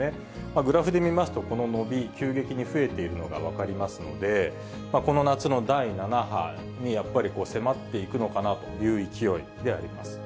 グラフで見ますと、この伸び、急激に増えているのが分かりますので、この夏の第７波に、やっぱり迫っていくのかなという勢いであります。